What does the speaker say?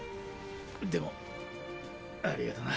でもありがとな。